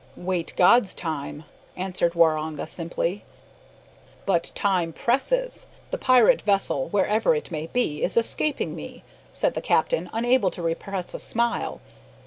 "Wait God's time," answered Waroonga simply. "But time presses. The pirate vessel, where ever it may be, is escaping me," said the captain, unable to repress a smile.